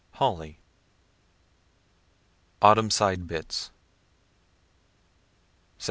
Holly. AUTUMN SIDE BITS _Sept.